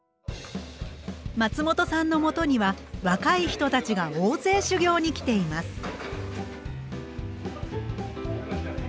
松本さんのもとには若い人たちが大勢修業に来ています。